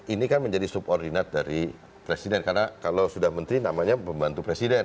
ini kan menjadi subordinat dari presiden karena kalau sudah menteri namanya pembantu presiden